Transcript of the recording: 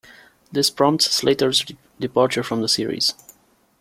This prompts Slater's departure from the series.